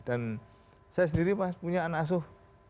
dan saya sendiri punya anak asuh